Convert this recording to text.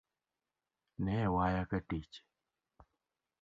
Ne waya katich